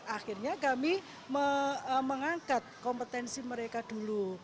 akhirnya kami mengangkat kompetensi mereka dulu